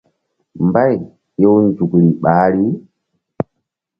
Mbay hew nzukri ɓahri.